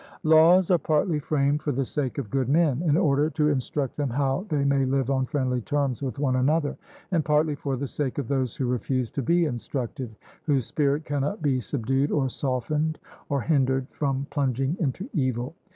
Laws are partly framed for the sake of good men, in order to instruct them how they may live on friendly terms with one another, and partly for the sake of those who refuse to be instructed, whose spirit cannot be subdued, or softened, or hindered from plunging into evil.